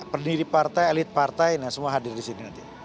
pendiri partai elit partai nah semua hadir di sini nanti